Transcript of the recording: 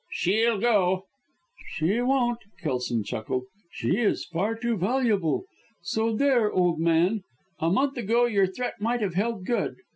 "She'll go!" "She won't," Kelson chuckled. "She is far too valuable. So there, old man! A month ago your threat might have held good.